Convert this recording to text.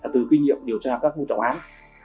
từ kinh nghiệm điều tra các vụ trọng án